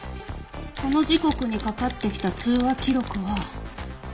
この時刻にかかってきた通話記録は。